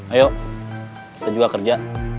ayo kita juga kerja